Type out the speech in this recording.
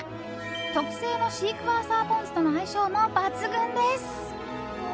特製のシークヮーサーポン酢との相性も抜群です。